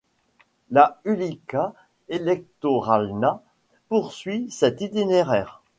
La Ulica Elektoralna poursuit cet itinéraire.